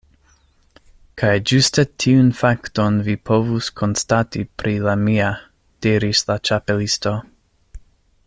"Kaj ĝuste tiun fakton vi povus konstati pri la mia," diris la Ĉapelisto.